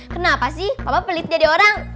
kenapa sih bapak pelit jadi orang